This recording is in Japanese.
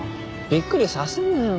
びっくりさせるなよ